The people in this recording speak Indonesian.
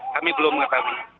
kami belum mengetahuinya